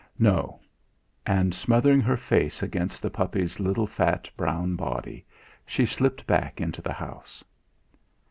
"No." And smothering her face against the puppy's little fat, brown body, she slipped back into the house.